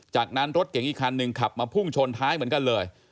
จากนั้นรถเก๋งอีกคันหนึ่งขับมาพุ่งชนท้ายเหมือนกันเลย